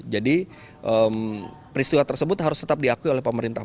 jadi peristiwa tersebut harus tetap diakui oleh pemerintah